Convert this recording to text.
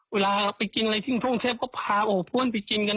เวลาไปกินอะไรที่ครับท่องเทพก็พาโอ้โหพรวจไปกินกัน